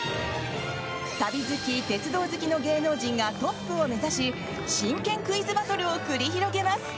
旅好き、鉄道好きの芸能人がトップを目指し真剣クイズバトルを繰り広げます。